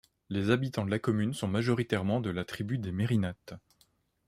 Les habitants de la commune sont majoritairement de la tribu des Merinate.